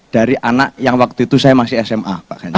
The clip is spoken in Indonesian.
dari anak yang waktu itu saya masih sma pak ganjar